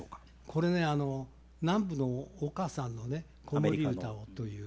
これね南部のお母さんのね子守歌をという。